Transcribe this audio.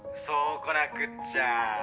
そうこなくっちゃ。